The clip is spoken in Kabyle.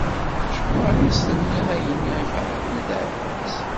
Acuɣer i as-tenniḍ ayenni i Ferḥat n At Ɛebbas?